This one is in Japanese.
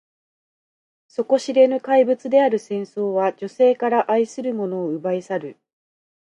底知れぬ怪物である戦争は、女性から愛する者を奪い去る。